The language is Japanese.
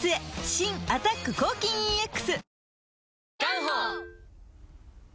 新「アタック抗菌ＥＸ」